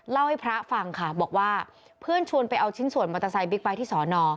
เล่าให้พระฟังค่ะบอกว่าเพื่อนชวนไปเอาชิ้นส่วนมอเตอร์ไซค์บิ๊กไบท์ที่สอนอ